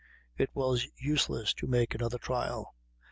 It was useless to make another trial.